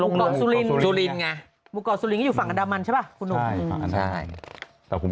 เขาบอกพื้นที่มันสวยแล้วชาวบ้านแบบ